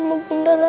maunya adama ya allah